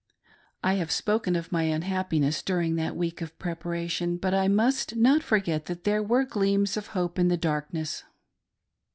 I have spoken of my I unhappiness during that week of preparation, but I must not forget that there were gleams of hope in the dark ,i ness.